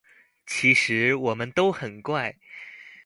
其實我們都很怪